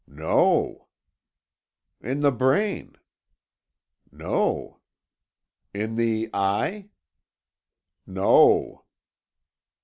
"No." "In the brain." "No." "In the eye." "No."